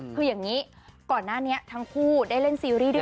คืออย่างนี้ก่อนหน้านี้ทั้งคู่ได้เล่นซีรีส์ด้วย